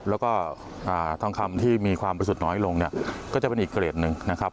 แล้วก็ทองคำที่มีความบริสุทธิ์น้อยลงเนี่ยก็จะเป็นอีกเกรดหนึ่งนะครับ